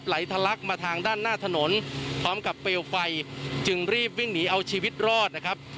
ทะลักมาทางด้านหน้าถนนพร้อมกับเปลวไฟจึงรีบวิ่งหนีเอาชีวิตรอดนะครับ